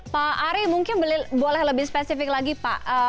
pak ari mungkin boleh lebih spesifik lagi pak